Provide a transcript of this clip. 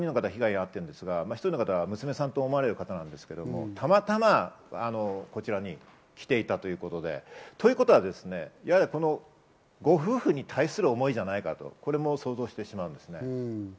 ３人の方、被害に遭っているんですが、一人の方は娘さんと思われるんですが、たまたまこちらに来ていたということで、ということはやはりご夫婦に対する思いじゃないかと想像してしまうんですね。